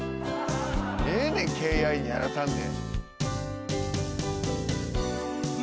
ええねんＫＡＹ−Ｉにやらさんで。